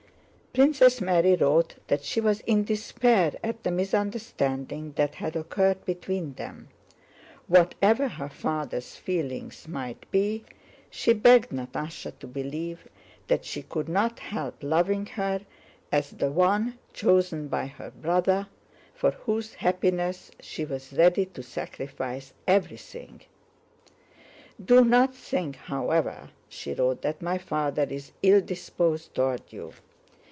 Princess Mary wrote that she was in despair at the misunderstanding that had occurred between them. Whatever her father's feelings might be, she begged Natásha to believe that she could not help loving her as the one chosen by her brother, for whose happiness she was ready to sacrifice everything. "Do not think, however," she wrote, "that my father is ill disposed toward you.